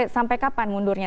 sampai kapan mundurnya